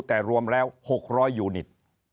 แต่รวมแล้ว๖๐๐ยูนิต